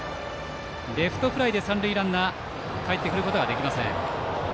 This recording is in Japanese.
レフトフライで三塁ランナーかえってくることはできません。